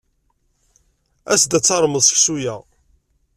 As-d ad tarmed seksu-a.